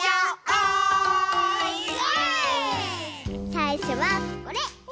さいしょはこれ。